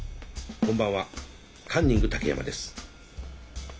こんばんはカンニング竹山です。